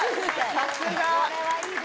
さすが。